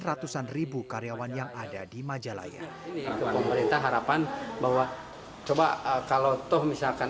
ratusan ribu karyawan yang ada di majalaya itu pemerintah harapan bahwa coba kalau toh misalkan